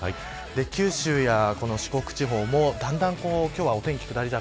九州や四国地方もだんだんお天気は下り坂